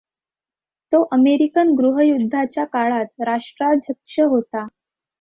तो अमेरिकन गृहयुद्धाच्या काळात राष्ट्राध्यक्ष होता.